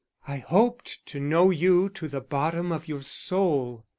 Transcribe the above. I hoped to know you to the bottom of your soul.